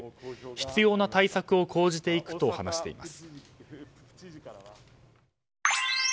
必要な対策を講じていくと話しています。